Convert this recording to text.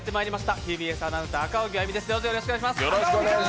ＴＢＳアナウンサー・赤荻歩です。